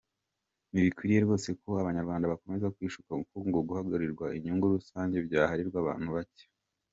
Ntibikwiye rwose ko Abanyarwanda bakomeza kwishuka ko guharanira inyungu rusange byaharirwa abantu bake.